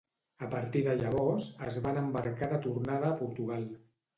A partir de llavors, es van embarcar de tornada a Portugal.